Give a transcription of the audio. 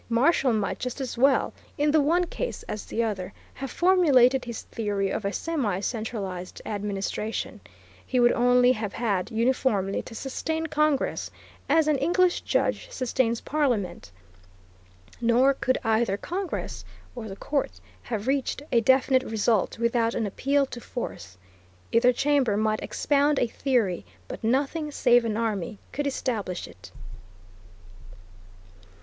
Marshall might just as well, in the one case as the other, have formulated his theory of a semi centralized administration. He would only have had uniformly to sustain Congress, as an English judge sustains Parliament. Nor could either Congress or the Court have reached a definite result without an appeal to force. Either chamber might expound a theory, but nothing save an army could establish it.